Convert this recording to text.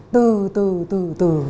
từ từ từ từ